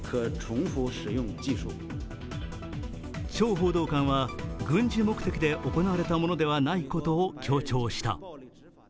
趙報道官は、軍事目的で行われたものではないことを強調した。